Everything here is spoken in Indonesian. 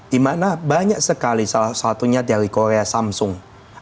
di mana banyak sekali salah satunya dari korea samsung